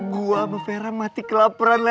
gue sama vera mati kelaperan leh